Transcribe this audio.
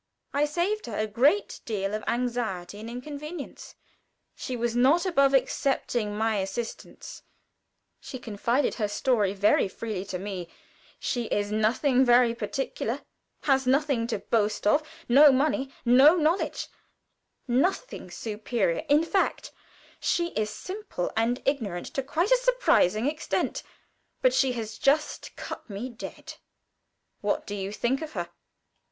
I saved her a great deal of anxiety and inconvenience. She was not above accepting my assistance; she confided her story very freely to me; she is nothing very particular has nothing to boast of no money, no knowledge, nothing superior; in fact, she is simple and ignorant to quite a surprising extent; but she has just cut me dead. What do you think of her?'"